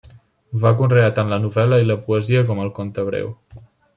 Va conrear tant la novel·la i la poesia com el conte breu.